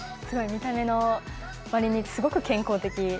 見た目のわりにすごく健康的。